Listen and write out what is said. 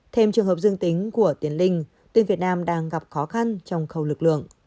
thêm trường hợp dương tính của tiến linh tên việt nam đang gặp khó khăn trong khâu lực lượng